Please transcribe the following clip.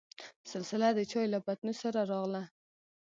سلسله دچايو له پتنوس سره راغله.